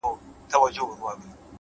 د فکر ژورتیا انسان لوړوي؛